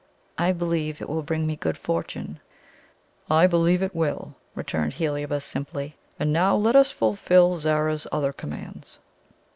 "I believe it will bring me good fortune." "I believe it will," returned Heliobas simply. "And now let us fulfil Zara's other commands."